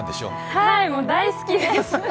はい、もう大好きです。